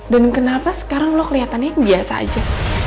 dan kenapa sekarang lo kelihatannya biasa aja